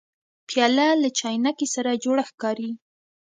پیاله له چاینکي سره جوړه ښکاري.